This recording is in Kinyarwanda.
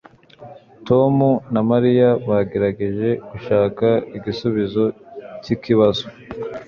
Tom na Mariya bagerageje gushaka igisubizo cyikibazo.